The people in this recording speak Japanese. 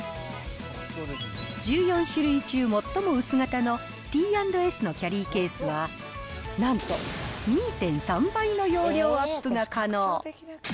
１４種類中最も薄型のＴ＆Ｓのキャリーケースは、なんと２．３倍の容量アップが可能。